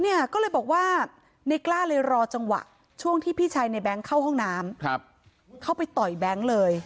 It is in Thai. เนี่ยก็เลยบอกว่าในกล้าเลยรอจังหวะช่วงที่พี่ชายในแบงค์เข้าห้องน้ำเข้าไปต่อยแบงค์เลย